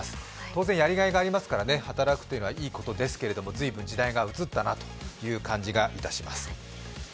当然やりがいがありますから、働くというのはいいことですけれども、随分時代が移ったなという感じがいたします。